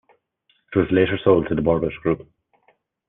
It was later sold to the Borbet group.